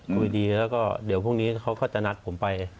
คุยดีแล้วก็เดี๋ยวพรุ่งนี้เขาก็จะนัดผมไป